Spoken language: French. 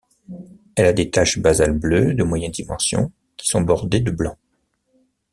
Elle a des taches basales bleues de moyennes dimensions qui sont bordées de blanc.